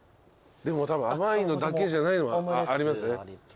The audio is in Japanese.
でもたぶん甘いのだけじゃないのもありますね。